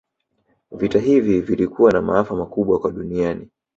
Vita hivi vilikuwa na maafa makubwa kwa duniani